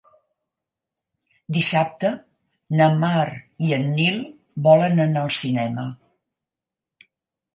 Dissabte na Mar i en Nil volen anar al cinema.